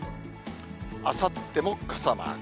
あさっても傘マーク。